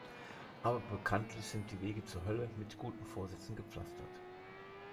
Aber bekanntlich sind die Wege zur Hölle mit guten Vorsätzen gepflastert.